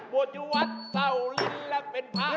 บวชอยู่วัดเศร้าลิ้นและเป็นพระ